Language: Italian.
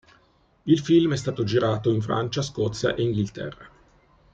Il film è stato girato in Francia, Scozia e Inghilterra.